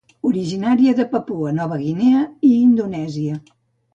Originària de Papua Nova Guinea i Indonèsia.